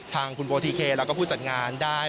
ทางคุณโบทิเคแล้วก็ผู้จัดงานได้